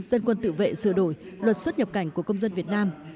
dân quân tự vệ sửa đổi luật xuất nhập cảnh của công dân việt nam